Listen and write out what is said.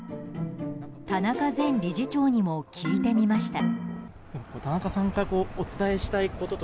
田中前理事長にも聞いてみました。